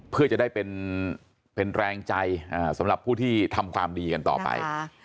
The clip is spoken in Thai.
เพื่อจะได้เป็นแรงใจสำหรับผู้ที่ทำความดีกันต่อไป